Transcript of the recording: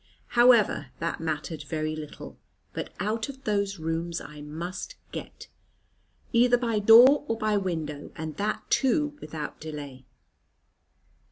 However, that mattered very little; but out of those rooms I must get, either by door or by window; and that, too, without delay.